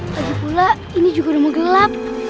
lagi pula ini juga udah mau gelap